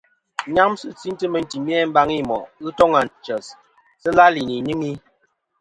Nyamsɨ nɨ̂n chintɨ meyn timi a mbaŋi i moʼ. Ghɨ toŋ ànchès, sɨ làlì nɨ̀ ìnyɨŋi.